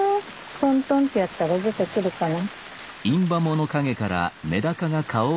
トントンってやったら出てくるかな？